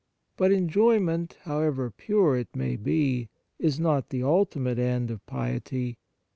But enjoyment, however pure it may be, is not the ultimate end of piety.